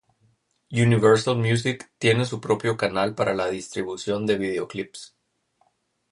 Universal Music tiene su propio canal para la distribución de vídeo clips.